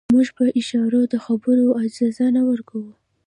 موږ په اشارو د خبرو اجازه نه ورکوله.